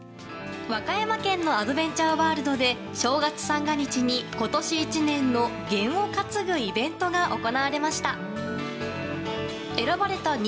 和歌山県のアドベンチャーワールドで正月三が日に今年１年の験を担ぐイベントが行われました。